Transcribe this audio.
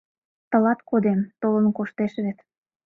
Тылат кодем, толын коштеш вет.